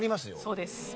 そうです。